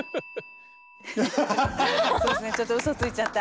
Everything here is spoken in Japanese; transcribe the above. そうですねちょっとウソついちゃった。